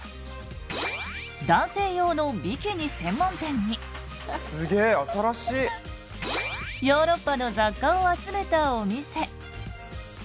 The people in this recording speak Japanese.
男性用のビキニ専門店にヨーロッパの雑貨を集めたお店。